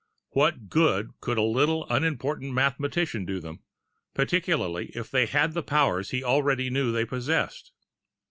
What good could a little, unimportant mathematician do them particularly if they had the powers he already knew they possessed?